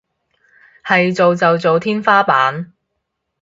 係做就做天花板